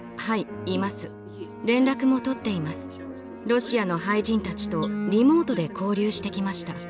ロシアの俳人たちとリモートで交流してきました。